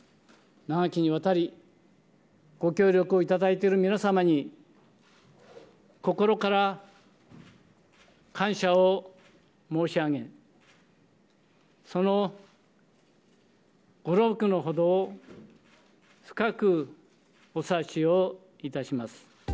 長きにわたり、ご協力をいただいている皆様に心から感謝を申し上げ、そのご労苦のほどを深くお察しをいたします。